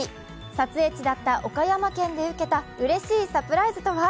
撮影地だった岡山県で受けたうれしいサプライズとは？